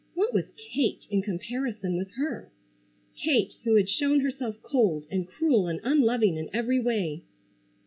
What was Kate in comparison with her? Kate who had shown herself cold and cruel and unloving in every way?